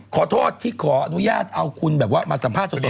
ขอโทษที่ขออนุญาตเอาคุณแบบว่ามาสัมภาษณ์สด